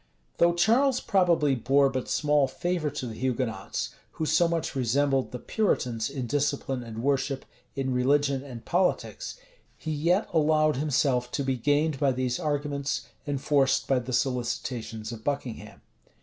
Though Charles probably bore but small favor to the Hugonots, who so much resembled the Puritans in discipline and worship, in religion and politics, he yet allowed himself to be gained by these arguments, enforced by the solicitations of Buckingham.